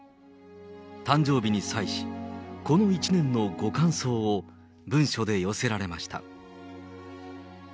誕生日に際し、この１年のご感想を、文書で寄せられました。